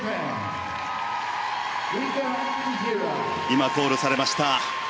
今、コールされました。